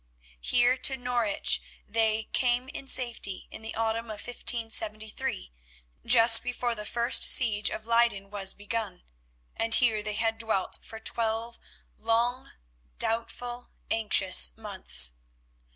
Here to Norwich they had come in safety in the autumn of 1573 just before the first siege of Leyden was begun, and here they had dwelt for twelve long, doubtful, anxious months.